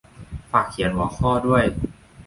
ฝากเขียนหัวข้อด้วย